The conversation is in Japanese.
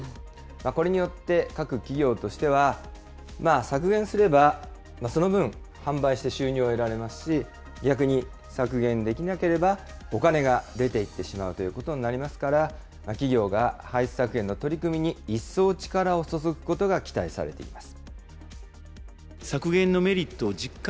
これによって、各企業としては、削減すればその分、販売して収入を得られますし、逆に削減できなければ、お金が出ていってしまうということになりますから、企業が排出削減の取り組みに一層力を注ぐことが期待されています。